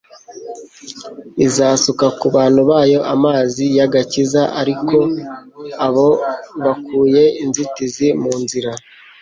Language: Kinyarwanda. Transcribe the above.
izasuka ku bantu bayo amazi y'agakiza ari uko abo bakuye inzitizi mu nzira.